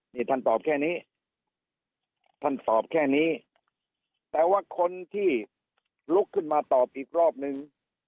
นี่ท่านตอบแค่นี้ท่านตอบแค่นี้แต่ว่าคนที่ลุกขึ้นมาตอบอีกรอบนึง